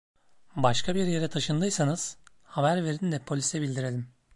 Başka bir yere taşındıysanız, haber verin de polise bildirelim.